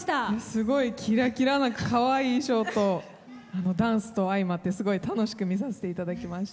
すごいキラキラなかわいい衣装とダンスと相まってすごく楽しく見させていただきました。